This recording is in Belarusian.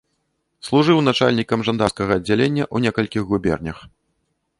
Служыў начальнікам жандарскага аддзялення ў некалькіх губернях.